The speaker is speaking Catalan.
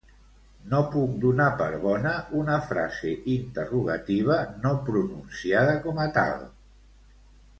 No puc donar per bona una frase interrogativa no pronunciada com a tal